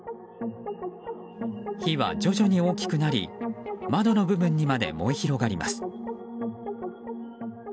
火は徐々に大きくなり窓の部分にまで燃え広がります。